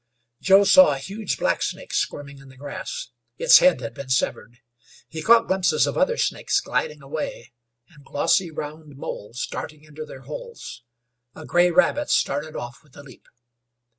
Joe saw a huge blacksnake squirming in the grass. Its head had been severed. He caught glimpses of other snakes gliding away, and glossy round moles darting into their holes. A gray rabbit started off with a leap.